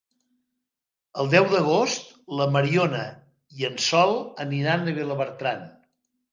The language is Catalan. El deu d'agost na Mariona i en Sol aniran a Vilabertran.